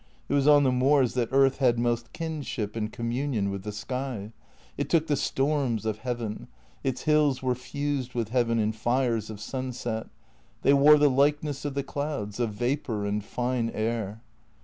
It was on the moors that earth had most kinship and communion with the sky. It took the storms of heaven. Its hills were fused with heaven in fires of sunset ; they wore the likeness of the clouds, of vapour and fine air.